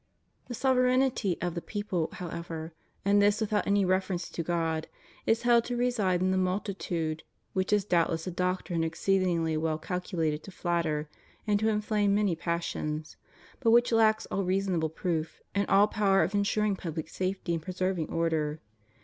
The sovereignty of the people, however, and this without any reference to God, is held to reside in the multitude; which is doubtless a doctrine exceedingly well calcu lated to flatter and to inflame many passions, but which lacks all reasonable proof, and all power of insuring public safety and preserving order.